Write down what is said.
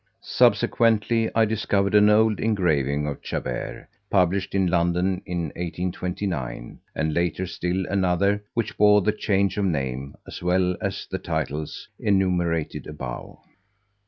Subsequently I discovered an old engraving of Chabert, published in London in 1829, and later still another which bore the change of name, as well as the titles enumerated above.